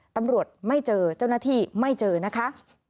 ตำรวจไม่เจอเจ้าหน้าที่ไม่เจอนะคะ